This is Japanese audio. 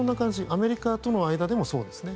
アメリカとの間でもそうですね。